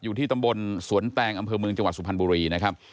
อยู่ที่ตำบลสวนแตงอำเภอเมืองจังหวัดสุพรรณบุรีนะครับ